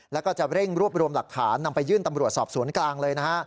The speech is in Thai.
แล้วก็จะเร่งรวบรวมหลักฐานนำไปยื่นตำรวจสอบสวนกลางเลยนะฮะ